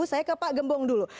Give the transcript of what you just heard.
saya ke pak gembong dulu